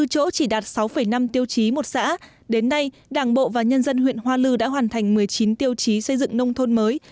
hôm nay đảng bộ và nhân dân huyện hoa lư đã hoàn thành một mươi chín tiêu chí xây dựng nông thôn mới